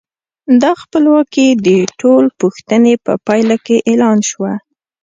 دا خپلواکي د ټول پوښتنې په پایله کې اعلان شوه.